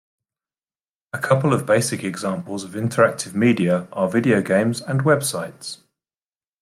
A couple of basic examples of interactive media are video games and websites.